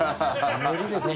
無理ですね。